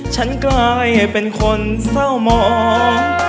ฉันกลายเป็นคนเศร้ามอง